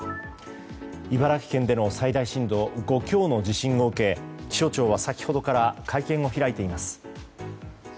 茨城県での最大震度５強の地震を受け気象庁は先ほどから会見を開いています。